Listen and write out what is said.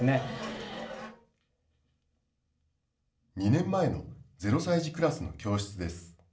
２年前の０歳児クラスの教室です。